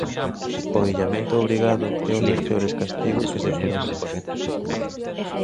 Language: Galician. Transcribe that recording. O illamento obrigado, é un dos peores castigos que se poden impoñer.